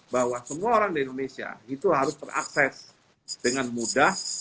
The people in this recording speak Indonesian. bahwa semua orang di indonesia itu harus terakses dengan mudah